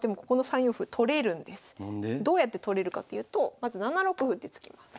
どうやって取れるかっていうとまず７六歩って突きます。